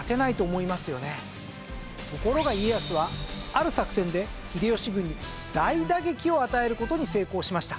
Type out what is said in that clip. ところが家康はある作戦で秀吉軍に大打撃を与える事に成功しました。